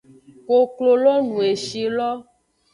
Koklo lo nu eshi lo.